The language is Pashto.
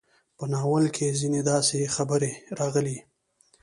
په ناول کې ځينې داسې خبرې راغلې